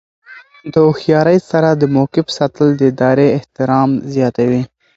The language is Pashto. د هوښیارۍ سره د موقف ساتل د ادارې احترام زیاتوي.